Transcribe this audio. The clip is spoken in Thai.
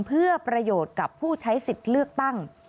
เพื่อประโยชน์กับผู้ใช้สิทธิ์เลือกตั้ง